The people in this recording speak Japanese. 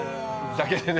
だけでね。